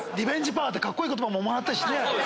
パワーってカッコイイ言葉ももらったしね。